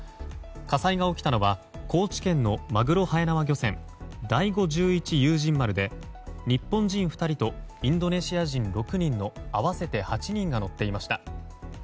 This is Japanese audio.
火災が起きたのは高知県のマグロはえ縄漁船「第五十一勇仁丸」で日本人２人とインドネシア人６人の合わせて８人が乗っていました。